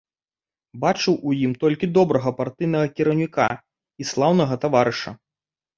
Бачыў у ім толькі добрага партыйнага кіраўніка і слаўнага таварыша.